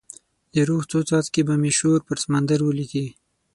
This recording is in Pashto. د روح څو څاڅکي به مې شور پر سمندر ولیکې